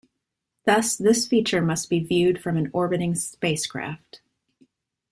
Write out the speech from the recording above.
Thus this feature must be viewed from an orbiting spacecraft.